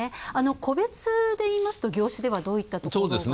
個別で言いますと業種ではどういったどころが？